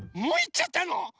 もういっちゃったの？